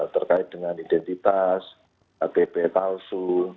terkait dengan identitas ktp palsu